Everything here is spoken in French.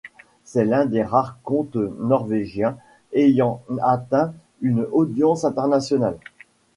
C'est l'un des rares contes norvégiens ayant atteint une audience internationale.